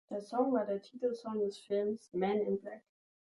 Der Song war der Titelsong des Films "Men in Black".